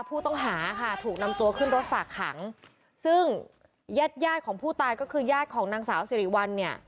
ผู้ต้องหาค่ะถูกนำตัวขึ้นรถฝากขังซึ่งญาติญาติของผู้ตายก็คือญาติของนางสาวสิริวัลเนี่ย